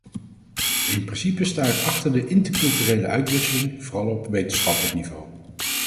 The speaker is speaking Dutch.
In principe sta ik achter de interculturele uitwisseling, vooral op wetenschappelijk niveau.